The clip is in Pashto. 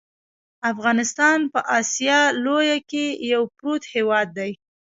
افغانستان په اسیا لویه کې یو پروت هیواد دی .